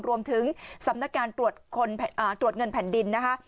รวมถึงสำนักการตรวจเงินแผ่นดินนะคะ